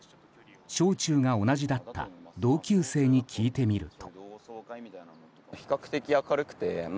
小中が同じだった同級生に聞いてみると。